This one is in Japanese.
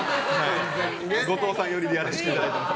後藤さん寄りでやらせていただいてます。